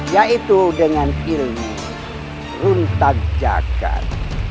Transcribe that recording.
yaitu dengan ilmu runtagjagat